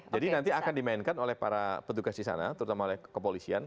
jadi nanti akan dimainkan oleh para pendukas disana terutama oleh kepolisian